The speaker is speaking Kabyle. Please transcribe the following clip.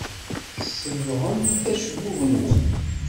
Tsebbɣem acebbub-nwen?